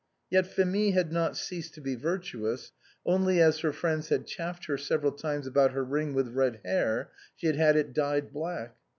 Yet Phémie had not ceased to be virtuous, only as her friends had chaffed her several times about her ring with red hair, she had had it dyed black.